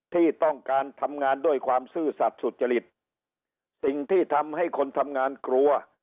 ที่ต้องการทำงานด้วยความซื่อสัตว์สุจริตสิ่งที่ทำให้คนทำงานกลัว